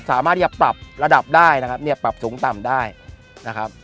สามารถที่จะปรับระดับได้นะครับเนี่ยปรับสูงต่ำได้นะครับ